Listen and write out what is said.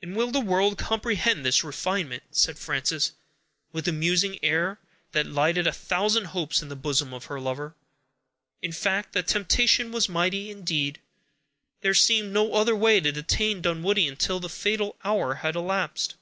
"And will the world comprehend this refinement?" said Frances, with a musing air, that lighted a thousand hopes in the bosom of her lover. In fact, the temptation was mighty. Indeed, there seemed no other way to detain Dunwoodie until the fatal hour had elapsed.